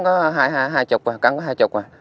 có hai chục cắn có hai chục